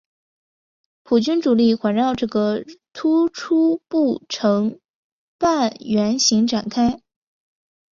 普军主力环绕这个突出部成半圆形展开。